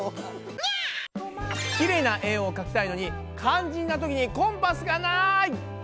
きれいな円をかきたいのに肝心なときにコンパスがない！